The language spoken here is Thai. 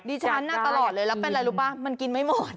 ฉันน่ะตลอดเลยแล้วเป็นอะไรรู้ป่ะมันกินไม่หมด